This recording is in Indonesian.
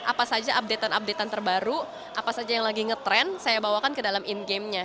apa saja update an update an terbaru apa saja yang lagi ngetrend saya bawakan ke dalam in gamenya